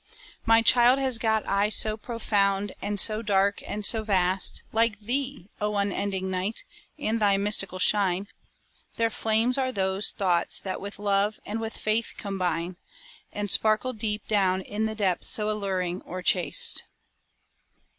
My child has got eyes so profound and so dark and so vast, Like thee! oh unending Night, and thy mystical shine: Their flames are those thoughts that with Love and with Faith combine, And sparkle deep down in the depths so alluring or chaste.